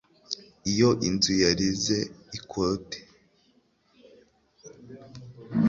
Iyo nzu yarize ikote.